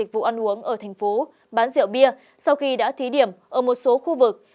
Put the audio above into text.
vụ ăn uống ở tp hcm bán rượu bia sau khi đã thí điểm ở một số khu vực